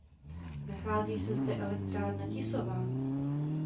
Nachází se zde elektrárna Tisová.